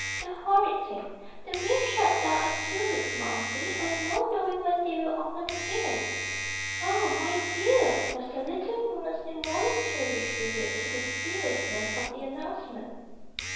The horrid thing! The mills shut down in two weeks, Momsey, and no knowing when they will open again." "Oh, my dear!" was the little woman's involuntary tribute to the seriousness of the announcement.